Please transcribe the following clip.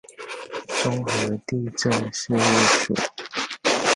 中和地政事務所